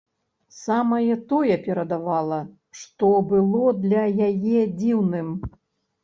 Самае тое перадавала, што было для яе дзіўным.